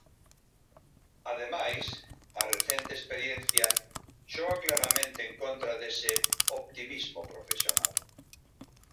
Ademais, a recente experiencia xoga claramente en contra dese "optimismo profesional".